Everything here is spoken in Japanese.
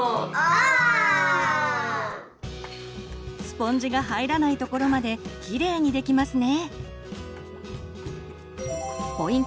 スポンジが入らないところまでキレイにできますね。